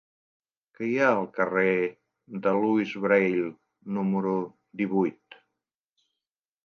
Què hi ha al carrer de Louis Braille número divuit?